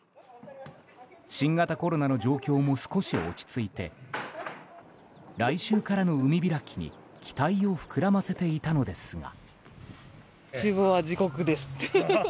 新型コロナの状況も少し落ち着いて来週からの海開きに期待を膨らませていたのですが。